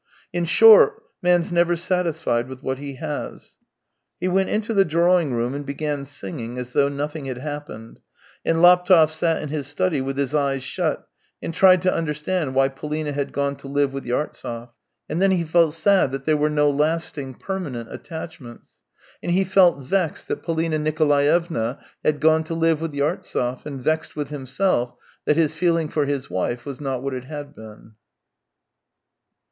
In short, man's never satisfied with what he has." He went into the drawing room and began singing as though nothing had happened, and Laptev sat in his study with his eyes shut, and tried to understand why Polina had gone to livf. with Yartsev. And then he felt sad that there I 19 092 THE TALES OF TCHEHOV were no lasting, permanent attachments. And he felt vexed that Polina Nikolaevna had gone to live with Yartsev, and vexed with himself that his feeling for his wife was not what it had been.